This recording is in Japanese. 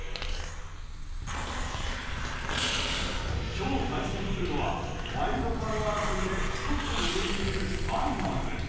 今日、対戦するのはワイルドカード争いで１つ上にいるマリナーズ。